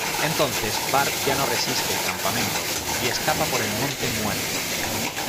Entonces Bart ya no resiste el campamento, y escapa por el Monte Muerte.